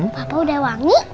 papa udah wangi